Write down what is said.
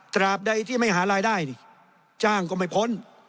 ตราบใดที่ไม่หารายได้นี่จ้างก็ไม่พ้น